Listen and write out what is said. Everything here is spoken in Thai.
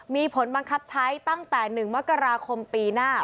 มีผลบังคับใช้ตั้งแต่๑มกราคมปีหน้า